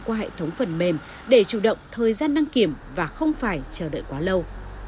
qua hệ thống phần mềm để chủ động thời gian đăng kiểm và không phải chờ đợi quá lâu